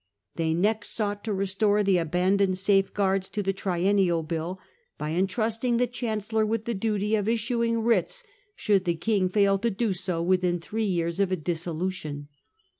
They next sought to restore the Attempt to abandoned safeguards to the Triennial Bill Triennial 16 ( see P* I2 4 ) hy entrusting the Chancellor with Bill. the duty of issuing writs should the King fail to do so within three years of a dissolution.